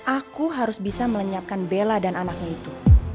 aku harus bisa melenyapkan bella dan anaknya itu